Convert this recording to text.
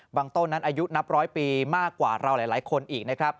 บางต้นนั้นอายุนับร้อยปีมากกว่าหลายคนอีก